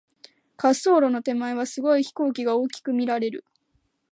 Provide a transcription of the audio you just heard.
滑走路の手前は、すごい飛行機が大きく見られる。